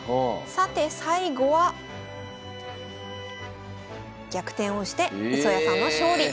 さて最後は逆転をして磯谷さんの勝利。